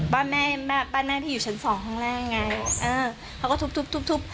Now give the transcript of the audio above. บ้านแม่แม่บ้านแม่พี่อยู่ชั้นสองข้างล่างไงเออเขาก็ทุบทุบ